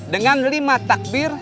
dengan lima takdir